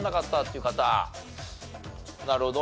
なるほど。